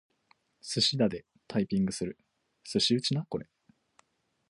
すしだでタイピングする。